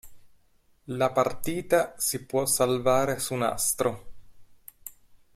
La partita si può salvare su nastro.